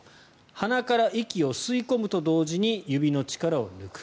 鼻から息を吸い込むと同時に指の力を抜く。